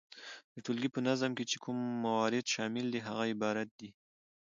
د ټولګي په نظم کي چي کوم موارد شامل دي هغه عبارت دي،